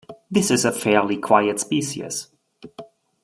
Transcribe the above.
This is a fairly quiet species.